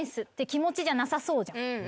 気持ちじゃなさそうじゃん。